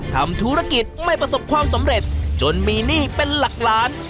ทำธุรกิจไม่ประสบความสำเร็จจนมีหนี้เป็นหลักล้าน